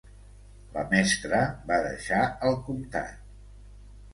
La mestra va deixar el comtat.